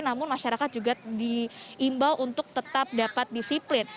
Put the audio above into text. namun masyarakat juga diimbau untuk tetap dapat disiplin